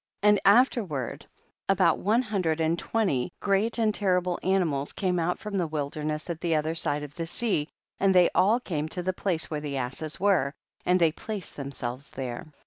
31. And afterward about one hun dred and twenty great and terrible animals came out from the wilderness at the other side of the sea, and they all came to the place where the asses were, and they placed them selves there.